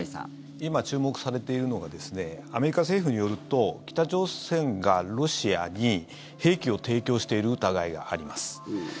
今、注目されているのがアメリカ政府によると北朝鮮が、ロシアに兵器を提供している疑いがあります。